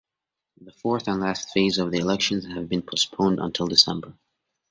The fourth and last phase of the elections have been postponed until December.